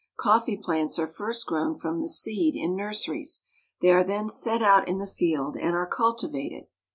Coffee plants are first grown from the seed in nurseries. They are then set out in the field and are cultivated.